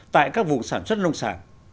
tại các vùng sản xuất nông sản